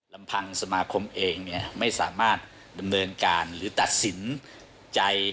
ลำพังสมาคมเองเนี่ยไม่สามารถดำเนินการหรือตัดสินใจ